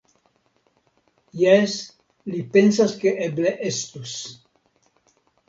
Jes, li pensas, ke eble estus.